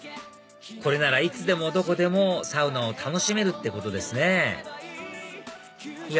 これならいつでもどこでもサウナを楽しめるってことですねいや